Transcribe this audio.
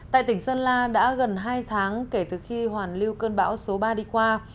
tại tỉnh sơn la đã gần hai tháng kể từ khi hoàn lưu cơn bão số ba đi qua